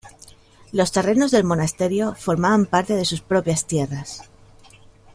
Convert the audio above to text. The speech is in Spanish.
Los terrenos del monasterio formaba parte de sus propias tierras.